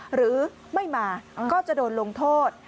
หรือไม่มาก็จะโดนลงโทษ